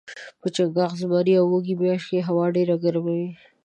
په چنګاښ ، زمري او وږي میاشت هوا ډیره ګرمه وي